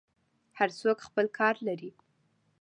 هر څوک خپل کار لري.